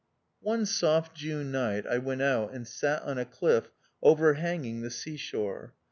One soft June night I went out and sat on a cliff overhanging the sea shore.